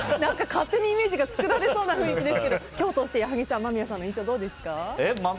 勝手にイメージが作られそうな雰囲気ですが今日を通して矢作さん間宮さんの印象どうですか？